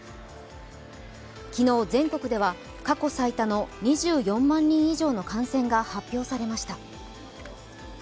昨日、全国では過去最多の２４万人以上の感染が発表されました。